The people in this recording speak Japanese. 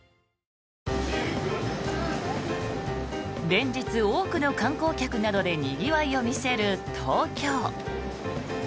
連日、多くの観光客などでにぎわいを見せる東京。